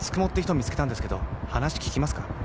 「見つけたんですけど話聞きますか？」